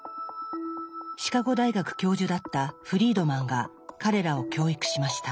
シカゴ大学教授だったフリードマンが彼らを教育しました。